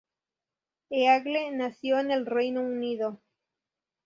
Eagle nació en el Reino Unido.